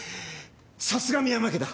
さすが深山家だ。